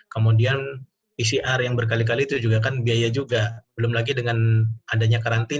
kemudian pcr yang berkali kali itu juga kan biaya juga belum lagi dengan adanya karantina